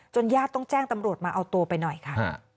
ญาติต้องแจ้งตำรวจมาเอาตัวไปหน่อยค่ะ